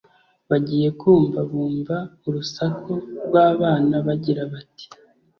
Bagiye kumva bumva urusaku rw’abana bagira bati